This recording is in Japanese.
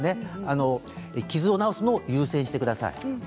傷が治るのを優先してください。